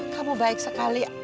kamu baik sekali